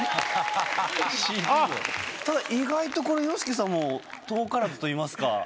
ただ意外とＹＯＳＨＩＫＩさんも遠からずといいますか。